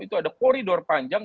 itu ada koridor panjang